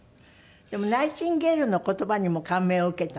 でもナイチンゲールの言葉にも感銘を受けた。